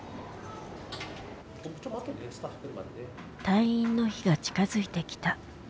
退院の日が近づいてきた。